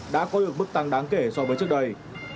đã có được mức tăng đáng kể so với trước đây